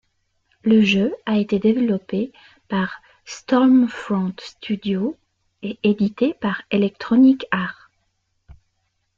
Le jeu a été développé par Stormfront Studios et édité par Electronic Arts.